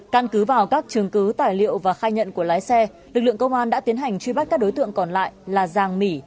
căn cứ vào các trường cứ tài liệu và khai nhận của lái xe lực lượng công an đã tiến hành truy bắt các đối tượng còn lại là giàng mỉ